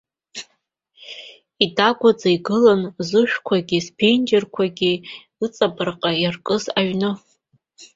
Идагәаӡа игылан зышәқәагь зԥенџьырқәагь ыҵарбаҟа иаркыз аҩны.